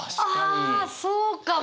あそうかも。